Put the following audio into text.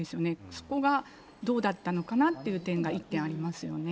そこがどうだったのかなっていう点が、１点ありますよね。